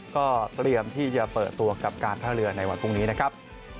ก็เตรียมที่จะเปิดตัวกับการท่าเรือในวันพรุ่งนี้นะครับ